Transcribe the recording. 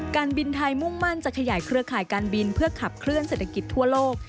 การบินไทยมุ่งมั่นจะขยายเครือข่ายการบินเพื่อขับเคลื่อเศรษฐกิจทั่วโลก